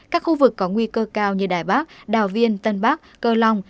các khu vực có nguy cơ cao như đài bắc đào viên tân bắc cơ long